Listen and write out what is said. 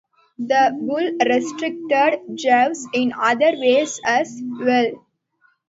The bull restricted Jews in other ways as well.